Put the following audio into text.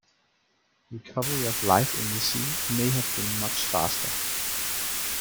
Recovery of life in the sea may have been much faster.